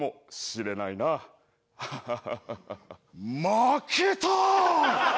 負けたー！